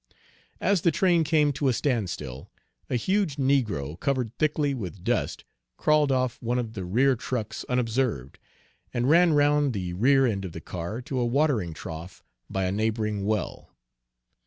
As the train came to a standstill, a huge negro, covered thickly with dust, crawled off one of the rear trucks unobserved, and ran round the rear end of the car to a watering trough by a neighboring well.